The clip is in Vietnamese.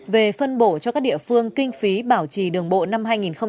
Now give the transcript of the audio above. về phân bổ cho các địa phương kinh phí bảo trì đường bộ năm hai nghìn một mươi tám